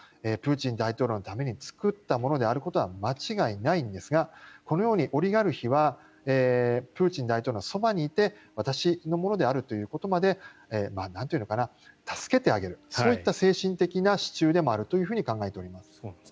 プーチン大統領のために作ったことであることは間違いないんですがこのようにオリガルヒはプーチン大統領のそばにいて私のものであるということまでなんというのかな、助けてあげるそういった精神的な支柱でもあると考えております。